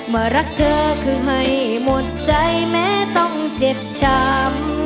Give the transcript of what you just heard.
มารักเธอคือให้หมดใจแม้ต้องเจ็บช้ำ